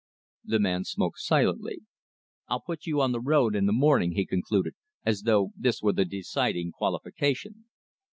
The man smoked silently. "I'll put you on the road in the morning," he concluded, as though this were the deciding qualification.